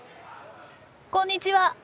こんにちは。